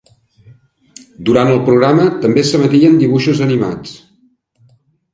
Durant el programa també s'emetien dibuixos animats.